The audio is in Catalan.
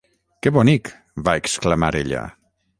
"Que bonic!" va exclamar ella.